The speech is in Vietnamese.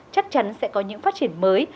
chắc chắn sẽ có những phát triển mới